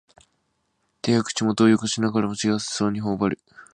手や口元をよごしながらも幸せそうにほおばる